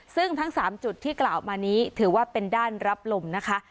ซึ่งทั้ง๓จุดที่กล่าวมานี้ถือว่าเป็นด้านรับลมนะคะ